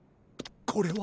これは？